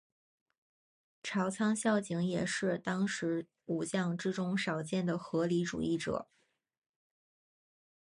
朝仓孝景也是当时武将之中少见的合理主义者。